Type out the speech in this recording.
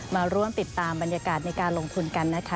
มาร่วมติดตามบรรยากาศในการลงทุนกันนะคะ